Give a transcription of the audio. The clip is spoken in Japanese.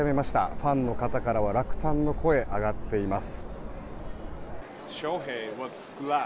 ファンの方からは落胆の声が上がっています。